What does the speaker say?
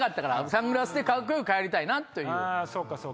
サングラスでカッコよく帰りたいなという。